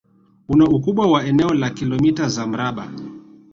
Ina ukubwa wa eneo la kilomita za mraba